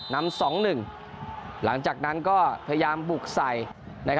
นำ๒๑หลังจากนั้นก็พยายามบุกใส่